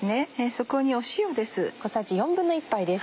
そこに塩です。